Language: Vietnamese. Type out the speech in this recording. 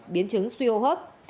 biến chứng suy hô hớp